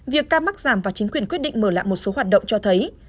việc ca mắc giảm và chính quyền quyết định mở lại một số hoạt động cho thấy